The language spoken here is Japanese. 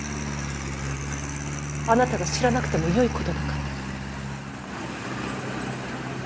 あなたが知らなくてもよいことだから。